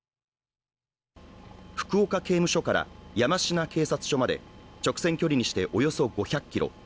福岡刑務所から山科警察署まで直線距離にしておよそ５００ｋｍ。